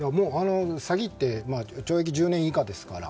詐欺って懲役１０年以下ですから。